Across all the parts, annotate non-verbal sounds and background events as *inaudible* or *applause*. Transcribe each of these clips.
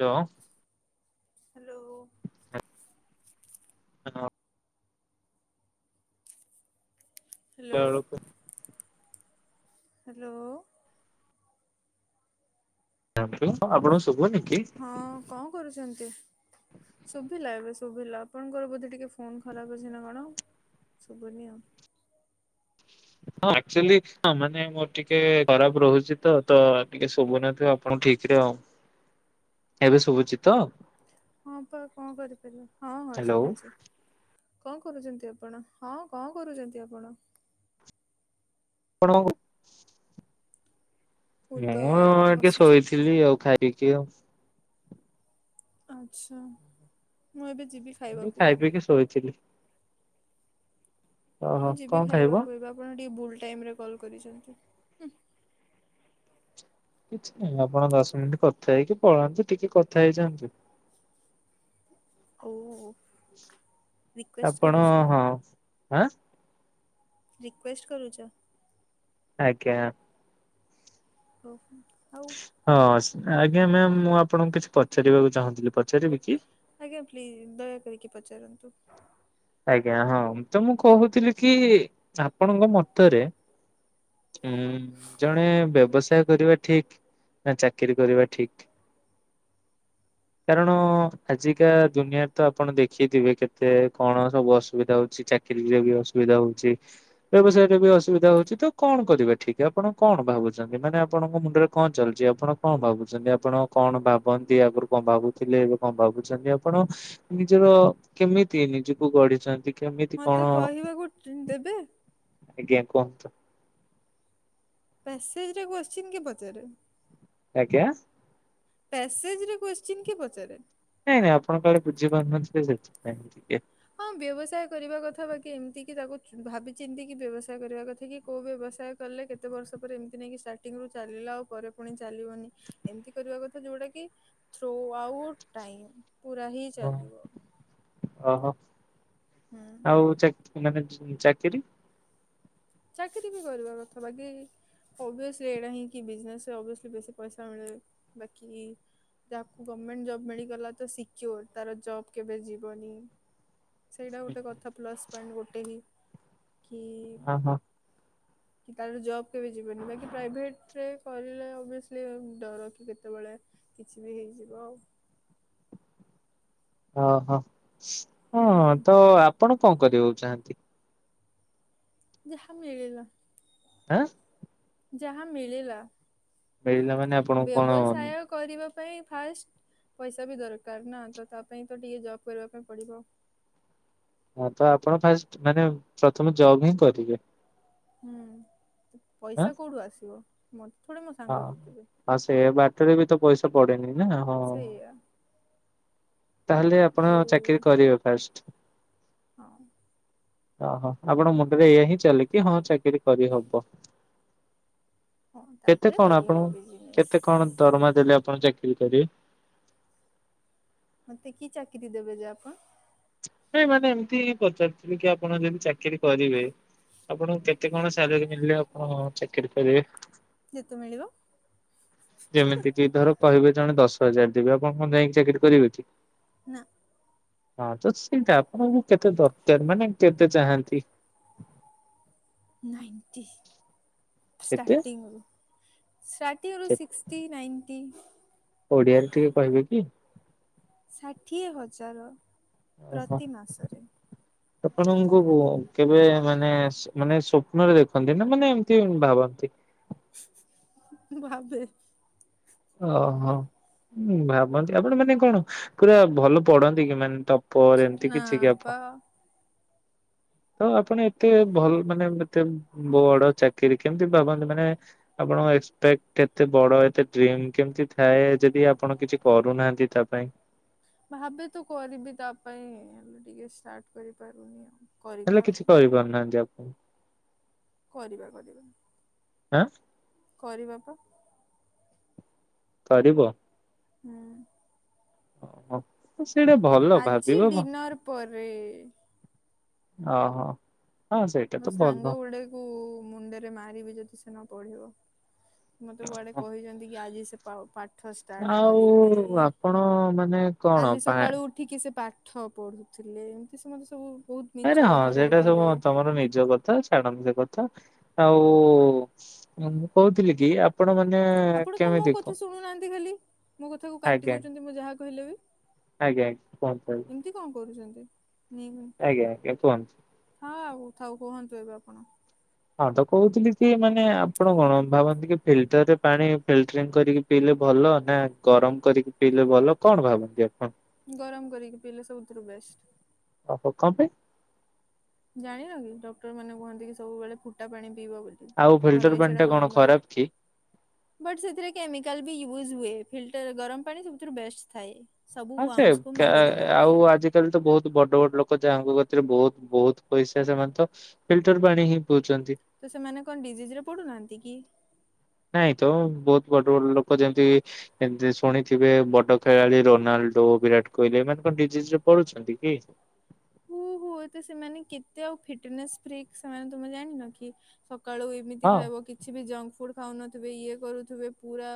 Hello. Hello. ହଁ hello ଆଳକୁ। Hello. ଆପଣ। ହଁ କଣ କରୁଛନ୍ତି? ଶୁଭିଲା ଏବେ ଶୁଭିଲା ଆପଣଙ୍କର ବୋଧେ ଟିକେ ଫୋନ ଖରାପ ଅଛି ନା କଣ? ସୁବୁନି ଆଉ। ହଁ ଆକଚୁଆଲି ହଁ ମାନେ ମୋର ଟିକେ ଖରାପ ରହୁଚି ତ ତ ଟିକେ ଶୁଭୁନଥିବ ଆପଣ ଠିକ ରେ ଆଉ ଏବେ ଶୁବୁଚିତ? ହଁ ପା କଣ କରିପାରିବା ହଁ ହଁ ହ୍ୟାଲୋ ଶୁବୁଚି। କଣ କରୁଚନ୍ତି ଆପଣ ହଁ କଣ କରୁଚନ୍ତି ଆପଣ? କଣ, ମୁଁ ମୁଁ ତ ଟିକେ ବସିଛି ଶୋଇଥିଲି ଆଉ ଖାଇକି ଆଉ। ଆଛା ମୁଁ ଏବେ। ଯିବି ମୁ ଖାଇବାକୁ ଖାଇ ଆଉ। ପିଇକି ଶୋଇଥିଲି। ମୁଁ ଓହୋ ଯିବି କଣ ଖାଇବ? ଖାଇବାକୁ ଏବେ ଆପଣ ଟିକେ ଭୁଲ ଟାଇମରେ କଲ୍ କରିଛନ୍ତି। କିଛି ନାହିଁ ଆପଣ ଦଶ ମିନିଟ କଥା ହେଇକି ପଳାନ୍ତୁ ଟିକେ କଥା ହେଇଯାଆନ୍ତୁ। *inaudible* ଓ। ରିକ୍ୱେଷ୍ଟ ଆପଣ କରୁଛ ହଁ ଆଁ। ରିକୁଏଷ୍ଟ କରୁଚ। ଆଜ୍ଞା। ଓହୋ। ହଁ ଆଜ୍ଞା ମ୍ୟାମ ମୁଁ ଆପଣଙ୍କୁ କିଛି ପଚାରିବାକୁ ଚାହୁଁଥିଲି ପଚାରିବି କି। ଆଜ୍ଞା ପ୍ଲିଜ ଦୟା କରିକି ପଚାରନ୍ତୁ। ଆଜ୍ଞା ହଁ ତ ମୁଁ କହୁଥିଲି କି ଆପଣଙ୍କ ମତରେ ହୁଁ ଜଣେ ବ୍ୟବସାୟ କରିବା ଠିକ। ନା ଚାକିରିୀ କରିବା ଠିକ। କାରଣ ଆଜିକା ଦୁନିଆରେ ତ ଆପଣ ଦେଖିଥିବେ କେତେ କଣ ସବୁ ଅସୁବିଧା ହଉଛି ଚାକିରିରେ ବି ଅସୁବିଧା ହଉଛି ବ୍ୟବସାୟରେ ବି ଅସୁବିଧା ହଉଛି ତ କଣ କଣ କରିବା ଠିକ ଆପଣ କଣ ଭାବୁଛନ୍ତି ମାନେ ଆପଣଙ୍କ ମୁଣ୍ଡରେ କଣ ଚାଲିଛି ଆପଣ କଣ ଭାବୁଛନ୍ତି ଆପଣ କଣ ଣ ଭାବନ୍ତି ଆଗରୁ କଣ ଭାବୁଥିଲେ ଏବେ କଣ ଭାବୁଛନ୍ତି ଆପଣ ନିଜର କେମିତି ତି ନିଜକୁ ଗଢିଛନ୍ତି। କେମିତି କଣ ମତେ କହିବାକୁ ଦେବେ। ଆଜ୍ଞା କୁହନ୍ତୁ। ପାସେଜ ରେ କୁଶଚିନ କିଏ ପଚାରେ। ଆଜ୍ଞା। ପ୍ୟାସେଜରେ କୁସ୍ଚିନ କିଏ ପଚାରେ। ନାଇଁ ନାଇଁ ଆପଣ କାଲେ ବୁଝିପାରୁନଥିବେ ସେଥିପାଇଁ ଟିକେ ହଁ ବ୍ୟବସାୟ କରିବା କଥା ବାକି ଏମିତି କି ତାକୁ ଭାବିଚିନ୍ତି କି ବ୍ୟବସାୟ କରିବା କଥା କି କୋଉ ବ୍ୟବସାୟ କଲେ କେତେ ବର୍ଷ ପରେ ଏମିତି ନାଇକି ଷ୍ଟାର୍ଟିଂ ରୁ ଚାଲ ପରେ ପୁଣି ଚାଲିବନି ଏମିତି କରିବା କଥା ଯୋଉଟା କି ଥ୍ରୁ ଆଉଟ ଟାଇମ ପୁରା ହିଁ ହଁ ଚାଲିବ। ଓହୋ ହୁଁ। ଆଉ ଚାକ ମାନେ ଚାକିରି। ଚାକିରୀ ବି କରିବା କଥା ବାକି ଓବି୍ୟସଲୀ ଏଇଡା ହିଁ କି ବିଜନେସ ରେ ଅବି୍ୟସଲୀ ବେଶୀ ପଇସା ମିଳେ ବାକି ଯାହାକୁ ଗର୍ମେଣ୍ଟ ଜବ ମିଳିଗଲା ତ ସିକ୍ୟୋର ତାର ଜବ୍ କେବେ ଯିବନି। ସେଇଟା ଗୋଟେ କଥା ପ୍ଲସ୍ ପଏଣ୍ଟ ଗୋଟେ ହି କି ହଁ। କି ତାର ଜବ୍ କେବେ ଯିବନି ବାକି ପ୍ରାଇଭେଟରେ କଲେ ଓଭିଏସଲି ଡର କି କେତେବେଳେ କିଛି ବି ଯିବ ଆଉ। *inaudible* ଓ ହୋ ହଁ ହୁଁ ତ ଆପଣ କଣ କରିବାକୁ ଚାହାଁନ୍ତି? ଯାହା ମିଳିଲା। ଆଁ। ଯାହା ମିଳିଲା। ମିଳିଲା ମାନେ ଆପଣଙ୍କୁ କଣ ବ୍ୟବସାୟ କରିବା ପା ପାଇଁ ଫାଷ୍ଟ ପଇସା ବି ଦରକାର ନା। ତ ତା ପାଇଁ ତ ଟିକେ ଜବ୍ କରିବା ପାଇଁ ପଡିବ। ହଁ ତ ଆପଣ ଫାଷ୍ଟ ମାନେ ପ୍ରଥମେ ଜବ ହିଁ କରିବେ। ହୁଁ ଆଁ ପଇସା କୋଉଠୁ ଆସିବ ମ ହଁ ଆ ସେଇଆ ବାଟେରେ ବି ତ ପଇସା ପଡେନି ନା ହଁ। ସେଇଆ ତାହେଲେ ଆପଣ ଆଉ ଚାକିରି କରିବେ ଫାଷ୍ଟ। ହଁ। ଅହୋ ଆପଣ ମୁଣ୍ଡରେ ଏଇଆ ହିଁ ଚାଲିଚି ହଁ ଚାକିରି କରିହବ। ହଁ କେତେ ତାପରେ କଣ କରିହବ ଆପଣ ବିଜନେସ୍ କେତେ କଣ ଦରମା ଦେଲେ ଆପଣ ଚା ଚାକିରୀ କରିବେ। ମତେ କି ଚାକିରି ଦେବେ ଯେ ଆପଣ? ନାଇଁ ମାନେ ଏମିତି ହି ପଚାରୁିଥିଲି। କି ଆପଣ ଯଦି ଚାକିରି କରିବେ। ଆପଣ କେତେ କଣ ସାଲେରୀ ମିଳିଲେ ଆପଣ ଚାକିରି କରିବେ। ଯେତେ ମିଳିବ। ଯେମିତି କି ଧର କହିବେ ଜଣେ ଦଶ ହଜାର ଦେବି। ଆପଣ କଣ ଯାଇକି ଚାକିରି କରିବେ କି? ନା। ହଁ ତ ସେଇଟା ଆପଣଙ୍କୁ କେତେ ଦରକାର ମାନେ କେତେ ଚାହାନ୍ତି। ନାଇଣ୍ଟି କେତେ? ଷ୍ଟାର୍ଟିଂରୁ। ଶାଟିଙ୍ଗରୁ ସିକ୍ସଟି ନାଇଣ୍ଟି। ଓଡିଆରେ ଟିକେ କହିବେ କି? ଷାଠିଏ ହଜାର ଓହୋ ପ୍ରତି ମାସରେ। ଆପଣଙ୍କୁ କେବେ ମାନେ ମାନେ ସପ୍ନରେ ଦେଖନ୍ତି। ନା ମାନେ ଏମିତି ଭାବନ୍ତି। ଭାବେ? ଓହୋ ଭାବନ୍ତି। ଆପଣ ମାନେ କଣ ପୁରା ଭଲ ପଢନ୍ତି କି? ମାନେ ତ ପରେ ଏମିତି ନା କିଛି ପା *unintelligible* ତ ଆପଣ ଏତେ ଭଲ ମାନେ ଏତେ ବଡ ଚାକିରି କେମିତି ଭାବନ୍ତି। ମାନେ ଅ ଆପଣଙ୍କ ଏକ୍ସପେକ୍ଟ ଏତେ ବଡ ଏତେ ଡିରିମ କେମିତି ଥାଏ। ଯଦି ଆପଣ କିଛି କରୁନାହାନ୍ତି ତା ପାଇଁ। ଭାବେ ତୁ କରିବି ତା ପାଇଁ ହେଲେ ଟିକେ ଷ୍ଟାର୍ଟ କରିପାରୁନି ଆଉ। କରିବା ହେଲେ ଆଉ କିଛି କରିପାରୁନାହାନ୍ତି ଆପଣ? କରିବା କରିବା। ଆଁ। କରିବାପା। କରିବ। ହୁଁ। ଓ ହୋ। ଆଜି ଡିନର୍ ପରେ ଓ ହୋ। ମୋ ସାଙ୍ଗ ଗୁଡେକୁ ମୁଣ୍ଡରେ ମାରିବି ଯଦି ସେ ନ ପଢିବ। ମତେ କୁଆଡେ କହିଛନ୍ତି କି ଆଜି ସେ ପାଠ ଷ୍ଟାର୍ଟ ଆଉ କରିବେ। ଆପଣ ମାନେ କଣ କାଲି ପା ସକାଳୁ ଉଠିକି ସେ ପାଠ ପଢୁଥିଲେ। ଏମିତି ସମତେ ସବୁ ବହୁତ ନାଇଁ ମିଛ ନାଇ ହଁ କଥା ସେଇଟା କହୁଥିଲେ ସବୁ ତମର ନିଜ କ ସେ ଛାଡନ୍ତୁ ସେ କଥା। ଆଉ ମୁଁ କହୁଥିଲି କି ଆପଣ ମାନ ଆପଣ କଣ ମୋ କଥା ଶୁଣୁନାହାନ୍ତି। ଖାଲି ମୋ କଥାକୁ କାଟି ଆଜ୍ଞା ଦଉଛନ୍ତି ମୁଁ ଯାହା କହିଲେ ବି? ଆଜ୍ଞା। ଆଜ୍ଞା କୁହନ୍ତୁ ଏମିତି କଣ କରୁଛନ୍ତି? ହଁ, ଆଜ୍ଞା ଆଜ୍ଞା ଆଜ୍ଞା କୁହନ୍ତୁ। ଆଉ ଥାଉ କୁହନ୍ତୁ ଏବେ ଆପଣ? ହଁ ତ କହୁଥିଲି କି ମାନେ -ଆପଣ କଣ ଭାବନ୍ତି କି, ଫିଲ୍ଟର ରେ ପାଣି ଫିଲଟ କରିକି ପିଇଲେ ଭଲ, ନା ଗରମ କରିକି ପିଇଲେ ଭଲ, କଣ ଭାବନ୍ତି? ଆପଣ? ଗରମ କରିକି ପିଇଲେ ସବୁଥିରୁ ବେଷ୍ଟ। ଓହୋ କଣ ପାଇଁ ଜାଣିଲ କି? ଡକ୍ଟର ମାନେ କୁହନ୍ତି କି ସବୁବେଳେ ଫୁଟା ପାଣି ପିଇବ ବୋଲି ଆଉ ଫିଲ୍ଟର ପାଣି ଟା କଣ ଖରାପ କି? ବଟ -ସେଥିରେ କେମିକାଲ ବି ଇଉଜ ହୁଏ, ଫିଲଟର ଗରମ ପାଣି ସବୁଠାରୁ ବେଷ୍ଟ ଥାଏ। ସବୁ ଆଁ ଯେ ୱାର୍ମସକୁ ମାରିଦେବା ଆଉ ପାଇଁ ଆଜିକାଲି ତ ବହୁତ ବଡ ବଡ ଲୋକ ଙ୍କତିରେ ବହୁତ ବହୁତ ପଇସା, ସେମାନେ ତ ଫିଲଟର ପାଣି ହିଁ ପିଉଛନ୍ତି ତ ସେମାନେ କଣ ଡିଜିଜ ରେ ପଡୁନାହାନ୍ତି କି? ନାଇଁ ତ, ବହୁତ ବଡ ବଡ ଲୋକ ଯେମିତିତି ଶୁଣିଥିବେ, ବଡ ଖେଳାଳି ରୋନାଲଡ ବିରାଟ କୋହଲି, ଏମାନେ କଣ ଡିଜିଜ ରେ ପଢୁଛନ୍ତି କି? ହୁଏତ ସେମାନେ କେତେ ଆଉ ଫିଟନେସ ଫ୍ର ସେମାନେ ତମେ ଜାଣିନ କି? ସକାଳୁ ଏମିତି ହଁ ଖାଇବ, କିଛି ବି ଜଙ୍କ ଫୁଡ ଖାଉନଥିବେ, ଇଏ କରୁଥିବେ, ପୁରା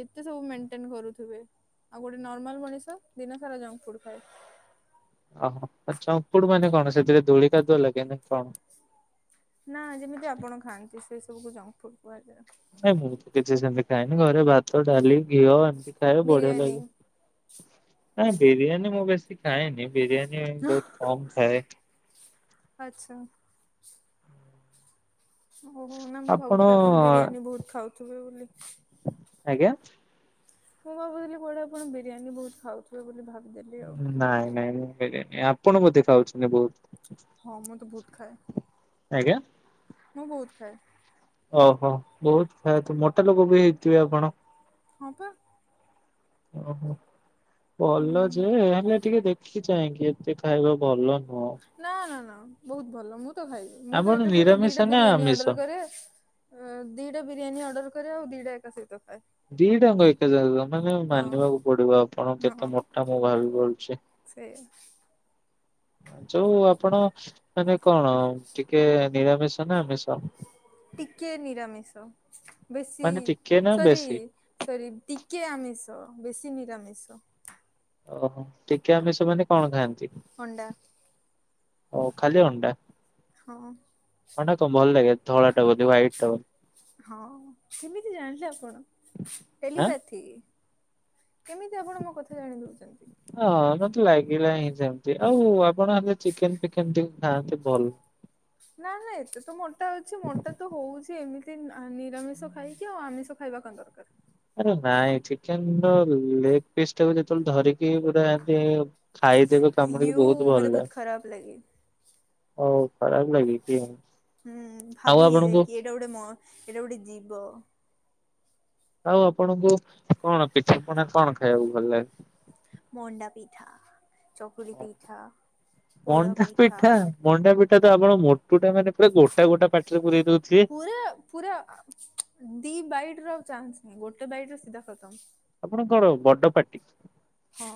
କେତେ ସବୁ ମେଣ୍ଟେନ କରୁଥିବେ ଆଉ ଗୋଟେ ନର୍ମାଲ ମଣିଷ, ଦିନ ସାରା ଜଙ୍କ ଫୁଡ ଖାଏ। ଆଛା, ଉପୁଡ ମାନେ କଣ ସେଥିରେ ଧୂଳି କାଦୁଅ ଲାଗେନି କଣ? ନା ଯେମିତି ଆପଣ ଖାଆନ୍ତି, ସେ ସବୁକୁ ଜଙ୍କ ଫୁଡ କୁହାଯାଏ। ନାଇଁ, ମୁଁ ତ କିଛି ସେମିତି ଖାଇନି, ଘରେ ଭାତ, ଡାଲି, ଘିଅ ଖାଇବା ବଢିଆ ବିରିୟାନୀ ଲାଗେ ନା, ବିରିୟାନୀ ମୁଁ ବେଶୀ ଖାଏନି। ବିରିୟାନ ବହୁତ କମ ଖାଏ। ଆଛା। ଓହୋ, ନା ମୁଁ ଭାବୁଥିଲି ଆପଣ ବିରିୟାନୀ ବହୁତ ଖାଉଥିବେ ବୋଲି। ଆଜ୍ଞା। ମୁଁ ଭାବୁଥିଲି କୋଉଟେ ଆପଣ ବିରିୟାନୀ ବହୁତ ଖାଉଥିବ ବୋଲି, ଭାବି ନାଇଁ ନାଇଁ, ବିରିୟାନି, ଆପଣ ବୋଧେ ଖାଉଛନ୍ତି ବହୁତ? ହଁ ମୁଁ ତ ବହୁତ ଖାଏ। ଆଜ୍ଞା। ମୁଁ ବହୁତ ଖାଏ। ଓହୋ ବହୁତ ଫ୍ୟା ମୋଟା ଲୋକ ବି ହେଇଥିବେ ଆପଣ? ହଁ ପା ଓହୋ ଭଲ ଯେ- ହେଲେ ଟିକେ ଦେଖ କି ଚାହିଙ୍କି ଏତେ ଖାଇବା ଭଲନ ନା ନା ନା ବହୁତ ଭଲ। ମୁଁ ତ ଖାଇବି, ମୁଁ ତ ଆପଣ ଏକା ସହିତ ନିରାମିଷ ଦିଟା ନା ବିରିୟାନୀ ଆମିଷ? ଅର୍ଡର କରେ। ଅ ଦିଟା ବିରିୟାନୀ ଅର୍ଡର କରେ, ଆଉ ଦିଟା ଏକା ସହିତ। ଖାଏ। ଦି ଟାଙ୍କ ଏକ ସାଙ୍ଗ ମାନେ ମାନିବାକୁ ହଁ ପଡିବ, ଆପଣ ହଁ କେତେ ମୋଟା ମୁଁ ଭାବି ପାରୁଛି। ସେଇଆ। ଯୋଉ ଆପଣ ମାନେ କଣ ଟିକେ, ନିରାମିଷ ନା ଆମିଷ? ଟିକେ ନିରାମିଷ। ବେଶୀ ମାନେ ଟିକେ ନା ସରି, ବେଶୀ? ସରି, ଟିକେ ଆମିସ୍ ତ ବେଶି ନିରାମିଷ। ଓହୋ ଟିକେ ଆମିଷ ମାନେ କଣ ଖାଆନ୍ତି? ଅଣ୍ଡା। ଓ ଖାଲି ଅଣ୍ଡା? ହଁ। ଅଣ୍ଡା କଣ ଭଲ ଲାଗେ, ଧଳା ଟା ବୋଧେ ହ୍ୱାଇଟ ଟା ବୋଧେ। ହଁ, କେମିତି ଜାଣିଲେ ଆପଣ? ଆଁ? ଟେଲିପାଥି। କେମିତି ଆପଣ ମୋ କଥା ଜାଣି ଦଉଛନ୍ତି? ହଁ, ମତେ ଲାଗିଲା ହିଁ ସେମତି ଆଉ ଆପଣଲେ ଚିକେନ୍ ଫିକେନ୍ ଟିକେ ଖାଆନ୍ତେ ଭଲ। ନା ନା ଏତେ ତ ମୋଟା ଅଛି। ମୋଟା ତ ହଉଛି ଏମିତି ନିରାମିଷ ଆ ଖାଇକି ଆଉ ଆମିଷ ଖାଇବା କଣ ଦରକାର। ଆରେ ନାଇଁ, ଚିକେନ ର ଲେଗ ପିସ୍ ଟାକୁ ଯେତେବେଳେ ଧରିକି ପୁରା ଏମିତି ଖାଇଦବ କାମୁଡ଼ିକି ୟୁ ବହୁତ ମତେ ଭଲ। ଖରାପ ଲାଗେ ଓଃ ଖରାପ ଲାଗେ କି। ହୁଁ ଆଉ ଭାବି ଆପଣଙ୍କୁ ହେଇଯାଏକି ଏଇଟା ଗୋଟେ ମ ଏଇଟା ଗୋଟେ ଜୀବ। ଆଉ ଆପଣଙ୍କୁ, କଣ କିଛି ମାନେ କଣ ଖାଇବାକୁ ଭଲ ଲାଗେ। ମଣ୍ଡା ପିଠା। ଚକୁଳି ପିଠା ପୋଡ଼ ପିଠା। ସେ ତ ଆପଣ ମୋଟୁ ଟା ମାନେ ପୁରା ଗୋଟା ଗୋଟା ପାଟିରେ ପୁରେଇ ଦଉଥିବେ। ପୁରା ପୁରା ଦି ବାଇଟ ର ଚାନ୍ସ ନାଇଁ ଗୋଟେ ବାଇଟରେ ସିଧା ଖଥମ। ଆପଣଙ୍କଣ ବଡ ପାଟି। ହଁ।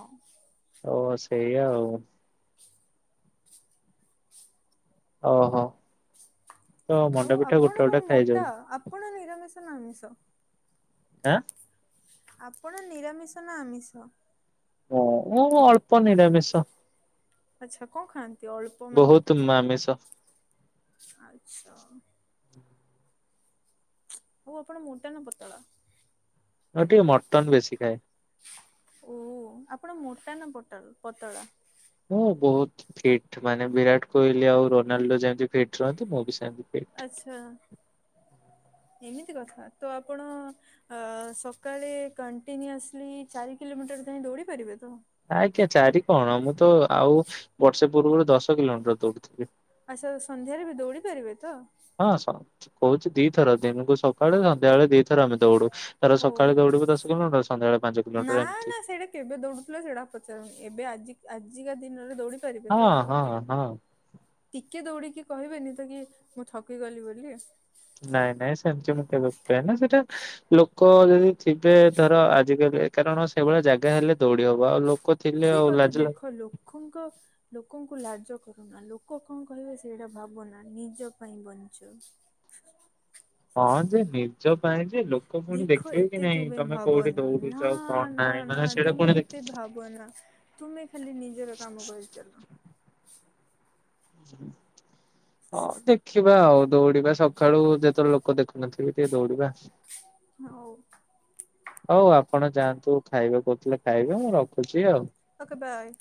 ଓ ସେଇଆ ଆଉ। ଓ ହୋ। ଆଉ ଆପଣ କଣ ମୋଟା, ଆପଣ ନିରାମିଷ ନା ଆମିଷ। ଆଁ। ଆପଣ ନିରାମିଷ ନା ଆମିଷ। ହଁ ମୁଁ ଅଳ୍ପ ନିରାମିଷ। ଆଚ୍ଛା କଣ ଖାଆନ୍ତି। ଅଳ୍ପ ମାନେ ବହୁତ ମାମିସ। ଆଚ୍ଛା। ଓଉ ଆପଣ ମୋଟା ନା ପତଳା। ଏଟି ମର୍ଟନ ବେଶୀ ଖାଏ। ଓ ଆପଣ ମୋଟା ନା ପୋଟଳ ପତଳା। ହଁ ବହୁତ ଫିଟ ମାନେ ବିରାଟ କୋହଲି ଆଉ ରୋନାଲଡୋ ଯେମିତି ଫିଟ୍ ରୁହନ୍ତି ମୁଁ ବି ସେମ। ଆଚ୍ଛା। ହୁଁ *inaudible* ଏମିତି କଥା ତ ଆପଣ ସକାଳେ କଣ୍ଟିନୁସଲି ଚାରି କିଲୋମିଟର ଧାଇଁ ଁ ଦୌଡ଼ି ପାରିବେ ତ? ଆଜ୍ଞା ଚାରି କଣ ମୁଁ ତ ଆଉ ବର୍ଷେ ପୂର୍ବରୁ ଦଶ କିଲୋମିଟର ଦୌଡୁଥିଲି। ଆଚ୍ଛା ସନ୍ଧ୍ୟାରେ ବି ଦୌଡ଼ି ପାରିବେ ତ? ହଁ କହୁଛି ଦିଥର ଦିନକୁ ସକାଳେ ସନ୍ଧ୍ୟାବେଳେ ଦି ଥର ଆମେ ଦୌଡୁ। ଧର ହଉ। ସକାଳେ ଦୌଡିବୁ ଦଶ କିଲୋମିଟର ସନ୍ଧ୍ୟାବେଳେ ପାଞ୍ଚ ନା କିଲୋମିଟର ନା ଏମିତି। ସେଇଟା କେବେ ଦୌଡୁଥିଲ ସେଇଟା ପଚାରୁନି ଏବେ ଆଜି ଆଜିକା ଦିନରେ ଦୌଡ଼ିି ହଁ ହଁ ହଁ। ଟିକେ ଦୌଡିକି କହିବେନି ତ କି ମୁଁ ଥକିଗଲି ବୋଲି। ନାଇଁ ନାଇଁ ସେମତି ମୁଁ କେବେ କୁହଏ ନା ସେଟା ଲୋକ ଯଦି ଥିବେ ଧର ଆଜିକାଲି। କାରଣ ସେଇଭଳିଆ ଜାଗା ହେଲେ ଦୌଡି ହବ ଆଉ ଲୋକ ଥିଲେ କି ଆଉ କଥା ଲାଜ ଲା ଦେଖ ଲୋକଙ୍କ ଲୋକଙ୍କୁ ଲାଜ କର ଲୋକ କଣ କହିବେ ସେଇଟା ଭାବନା ନିଜ ପାଇଁ ବଞ୍ଚ। ହଁ ଯେ ନିଜ ପାଇଁ। ଲୋକ ପୁଣି ଦେଖ ଦେଖିବେ କି ଏତେ ନାଇଁ ତୁମେ ତମେ କୋଉଠି ଭାବନା ନା ଦୌଡୁଛ କଣ ନା ନାହିଁ ନା ମାନେ ସେଇଟା ତୁମେ ପୁଣି ଏତେ ଦେଖ ଭାବନା। ତୁମେ ଖାଲି ନିଜର କାମ କରିଛ। ହ ହଁ ଦେଖିବା ଆଉ ଦୌଡିବା ସକାଳୁ ଯେତେବେଳେ ଲୋକ ଦେଖୁନଥିବେ ଟିକେ ଦୌଡିବା। ହଉ ହଉ ଆପଣ ଯଆନ୍ତୁ। ତୁ ଖାଇବା କହୁଥିଲେ ଖାଇବା ମୁଁ ରଖୁଛି ଆଉ। Okay bye.